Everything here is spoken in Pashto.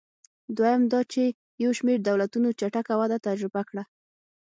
دویم دا چې یو شمېر دولتونو چټکه وده تجربه کړه.